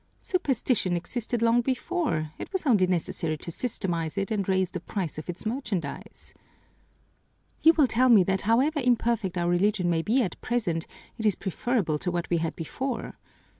Superstition existed long before it was only necessary to systematize it and raise the price of its merchandise! "You will tell me that however imperfect our religion may be at present, it is preferable to what we had before.